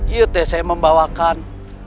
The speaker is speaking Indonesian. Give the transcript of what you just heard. yut saya membawakan